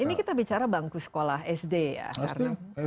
ini kita bicara bangku sekolah sd ya